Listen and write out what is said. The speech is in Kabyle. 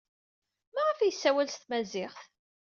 Maɣef ay yessawal s tmaziɣt?